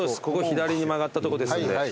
ここ左に曲がったとこですんで。